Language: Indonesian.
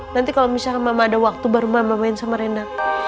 nanti kalo misalnya mama ada waktu baru mama main sama reina